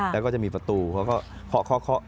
แล้วก็จะมีประตูเขาก็เคาะ